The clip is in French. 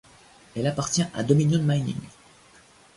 Elle appartient à Dominion Mining.